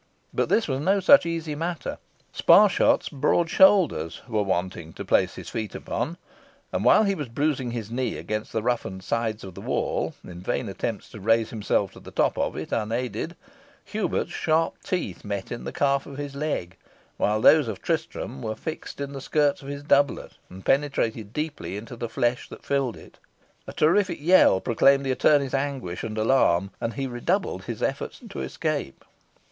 But this was no such easy matter. Sparshot's broad shoulders were wanting to place his feet upon, and while he was bruising his knees against the roughened sides of the wall in vain attempts to raise himself to the top of it unaided, Hubert's sharp teeth met in the calf of his leg, while those of Tristam were fixed in the skirts of his doublet, and penetrated deeply into the flesh that filled it. A terrific yell proclaimed the attorney's anguish and alarm, and he redoubled his efforts to escape.